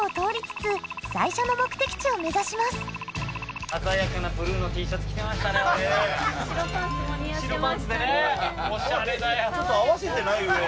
ちょっと合わせてない上？